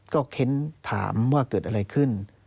ก็เค้นถามว่าเกิดอะไรขึ้น